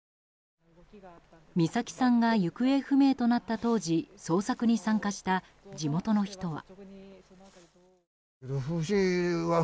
美咲さんが行方不明となった当時捜索に参加した地元の人は。